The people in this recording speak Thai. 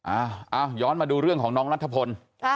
อ้าวย้อนมาดูเรื่องของน้องรัฐพล